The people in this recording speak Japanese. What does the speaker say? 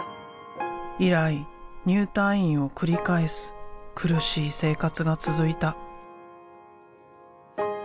以来入退院を繰り返す苦しい生活が続いた。